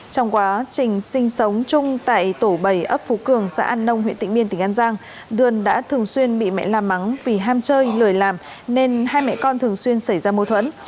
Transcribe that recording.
trong quá trình sinh sống chung tại tổ bảy ấp phú cường xã an nông huyện tịnh biên tỉnh an giang đưaơn đã thường xuyên bị mẹ la mắng vì ham chơi lười làm nên hai mẹ con thường xuyên xảy ra mâu thuẫn